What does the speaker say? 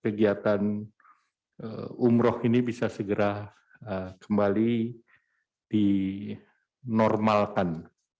kegiatan umroh ini bisa segera kembali dinormalkan